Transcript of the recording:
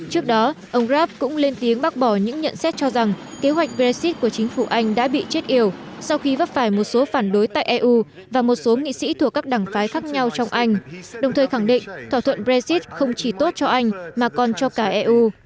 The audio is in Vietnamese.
trước đó ông rab cũng lên tiếng bác bỏ những nhận xét cho rằng kế hoạch brexit của chính phủ anh đã bị chết yểu sau khi vấp phải một số phản đối tại eu và một số nghị sĩ thuộc các đảng phái khác nhau trong anh đồng thời khẳng định thỏa thuận brexit không chỉ tốt cho anh mà còn cho cả eu